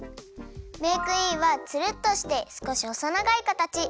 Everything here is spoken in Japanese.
メークインはつるっとしてすこしほそながいかたち。